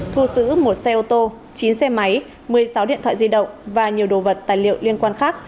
thu giữ một xe ô tô chín xe máy một mươi sáu điện thoại di động và nhiều đồ vật tài liệu liên quan khác